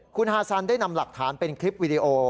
คุณฮาซันได้นำหลักฐานเป็นคลิปวิดีโอ